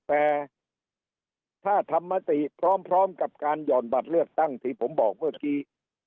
แต่ถ้าทำมติพร้อมกับการหย่อนบัตรเลือกตั้งที่ผมบอกเมื่อกี้